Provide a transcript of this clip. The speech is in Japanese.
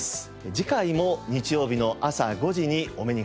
次回も日曜日の朝５時にお目にかかりましょう。